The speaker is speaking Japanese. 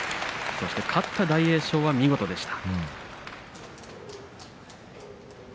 勝った大栄翔は見事でした。